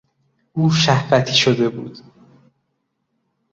او شهوتی شده بود.